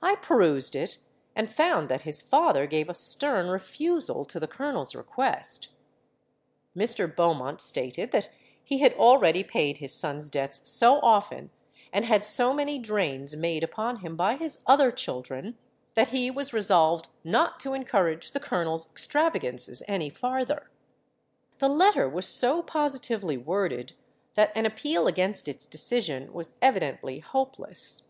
I perused it, and found that his father gave a stern refusal to the colonel's request. Mr. Beaumont stated that he had already paid his son's debts so often, and had so many drains made upon him by his other children, that he was resolved not to encourage the colonel's extravagances any farther. The letter was so positively worded that an appeal against its decision was evidently hopeless.